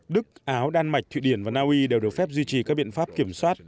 đức áo đan mạch thụy điển và naui đều được phép duy trì các biện pháp kiểm soát